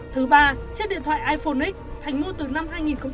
thứ ba chiếc điện thoại iphone x thành mô từ năm hai nghìn một mươi bảy